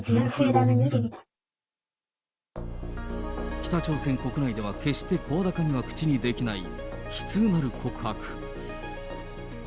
北朝鮮国内では決して声高には口にできない、悲痛なる告白。